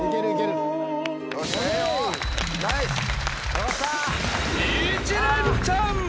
よかった！